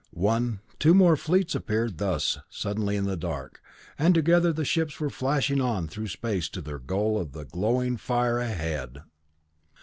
One two more fleets appeared thus suddenly in the dark, and together the ships were flashing on through space to their goal of glowing fire ahead!